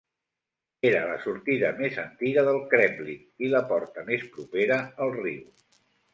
Era la sortida més antiga del Kremlin i la porta més propera al riu.